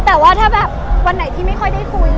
แต่ว่าวันไหนจะไม่ได้คุย